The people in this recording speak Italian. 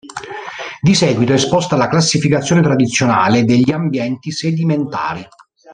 Di seguito è esposta la classificazione tradizionale degli ambienti sedimentari.